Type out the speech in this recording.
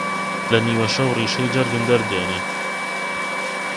لە نیوە شەو ڕیشەی جەرگم دەردێنێ